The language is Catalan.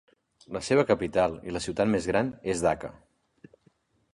La seva capital i la ciutat més gran és Dhaka.